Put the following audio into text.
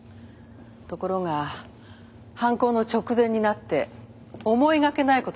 ところが犯行の直前になって思いがけない事が起きたんです。